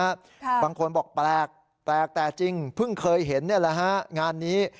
ค่ะบางคนบอกแปลกแปลกแต่จริงเพิ่งเคยเห็นเนี่ยแหละฮะงานนี้